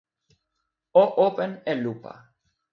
o open e lupa!